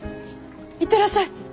行ってらっしゃい！